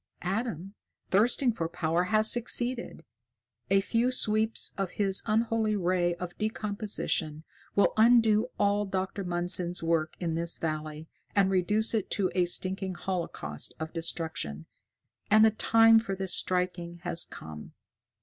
Adam, thirsting for power, has succeeded. A few sweeps of his unholy ray of decomposition will undo all Dr. Mundson's work in this valley and reduce it to a stinking holocaust of destruction. And the time for his striking has come!"